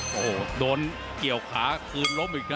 โอ้โหโดนเกี่ยวขาคืนลบอีกน่ะ